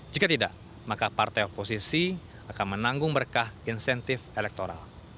jika tidak maka partai oposisi akan menanggung berkah insentif elektoral